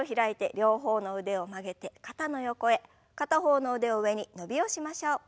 片方の腕を上に伸びをしましょう。